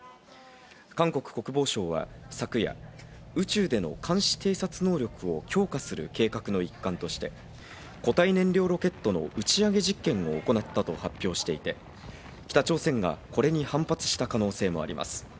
韓国国防省は昨夜、宇宙での監視偵察能力を強化する計画の一環として、固体燃料ロケットの打ち上げ実験を行ったと発表していて、北朝鮮がこれに反発した可能性もあります。